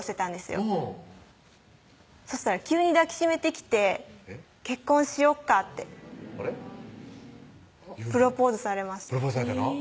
よそしたら急に抱き締めてきて「結婚しよっか」ってあれっプロポーズされましたプロポーズされたの？